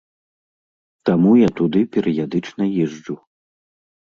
Таму я туды перыядычна езджу.